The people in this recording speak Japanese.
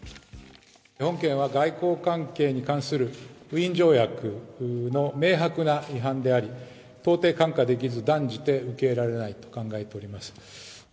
本件は外交関係に関するウィーン条約の明白な違反であり、とうてい看過できず、断じて受け入れらないと考えております。